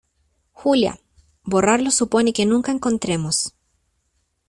Julia, borrarlo supone que nunca encontremos